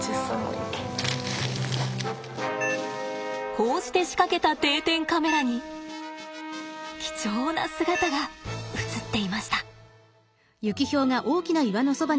こうして仕掛けた定点カメラに貴重な姿が映っていました。